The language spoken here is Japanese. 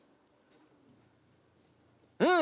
うん！